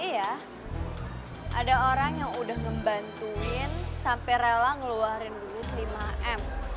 iya ada orang yang udah ngebantuin sampai rela ngeluarin duit lima m